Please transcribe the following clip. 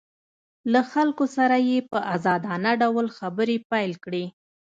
له خلکو سره یې په ازادانه ډول خبرې پیل کړې